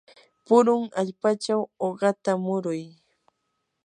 purun allpachaw uqata muruy.